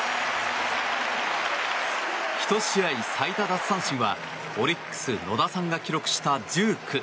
１試合最多奪三振はオリックス、野田さんが記録した１９。